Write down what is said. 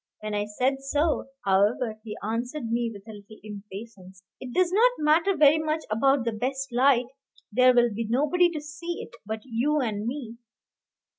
When I said so, however, he answered me with a little impatience, "It does not matter very much about the best light; there will be nobody to see it but you and me.